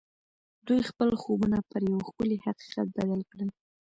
دوی خپل خوبونه پر یو ښکلي حقیقت بدل کړل